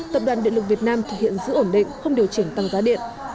tập đoàn điện lực việt nam thực hiện giữ ổn định không điều chỉnh tăng giá điện